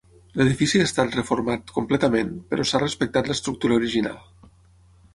L'edifici ha estat reformat completament però s'ha respectat l'estructura original.